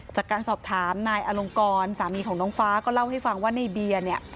จากการสอบถามนายอลงกรสามีของน้องฟ้าก็เล่าให้ฟังว่าในเบียร์เนี่ย